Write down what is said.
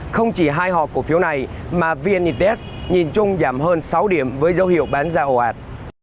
không chỉ hai họ cổ phiếu này mà vnites nhìn chung giảm hơn sáu điểm với dấu hiệu bán ra ồ ạt